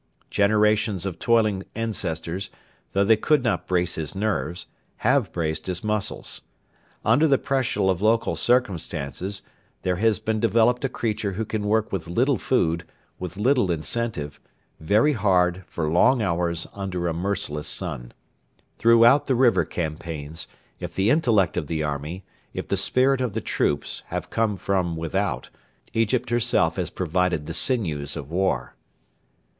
Generations of toiling ancestors, though they could not brace his nerves, have braced his muscles. Under the pressure of local circumstances there has been developed a creature who can work with little food, with little incentive, very hard for long hours under a merciless sun. Throughout the river campaigns, if the intellect of the army, if the spirit of the troops, have come from without, Egypt herself has provided the sinews of war.